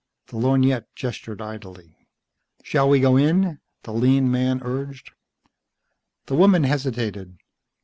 The lorgnette gestured idly. "Shall we go in?" the lean man urged. The woman hesitated.